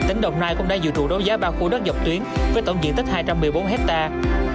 tỉnh đồng nai cũng đã dự thủ đấu giá ba khu đất dọc tuyến với tổng diện tích hai trăm một mươi bốn hectare